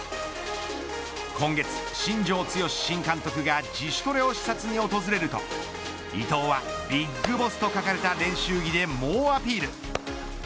今月、新庄剛志新監督が自主トレを視察に訪れると伊藤はビッグボスと書かれた練習機で猛アピール。